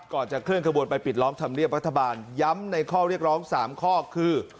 จะเคลื่อนขบวนไปปิดล้อมธรรมเนียบรัฐบาลย้ำในข้อเรียกร้อง๓ข้อคือ